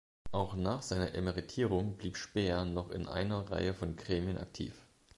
Auch nach seiner Emeritierung blieb Speer noch in einer Reihe von Gremien aktiv.